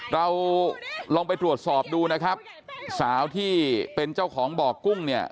เราลองไปตรวจสอบดูนะครับสาวที่เป็นเจ้าของบ่อกุ้งเนี่ย